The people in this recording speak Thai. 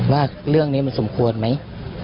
ว่าเรื่องนี้มันสมควรไหม